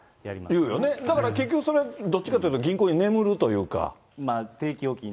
だから、結局それどっちかって言ったら、銀行に眠るというか。